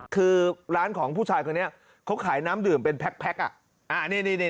คือร้านของผู้ชายคนนี้เขาขายน้ำดื่มเป็นแพ็ค